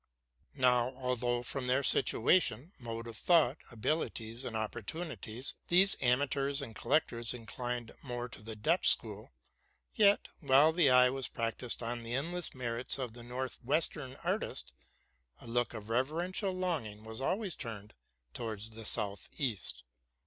Now, although from their situation, mode of though, 262 TRUTH AND FICTION abilities, and opportunities, these amateurs and collectors inclined more to the Dutch school, yet, while the eye was practised on the endless merits of the north western artist, a look of reverential longing was always turned towards the south east.